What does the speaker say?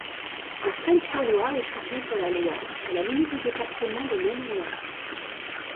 Le Fresne-sur-Loire est située sur la Loire, à la limite du département de Maine-et-Loire.